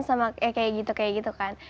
sama kayak gitu kayak gitu kan